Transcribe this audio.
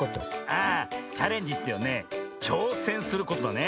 ああチャレンジっていうのはねちょうせんすることだね。